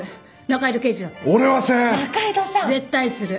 絶対する。